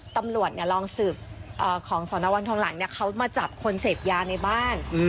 ตำรวจลองสืบของสนวันทองหลังเขามาจับคนเสพยาในบ้าน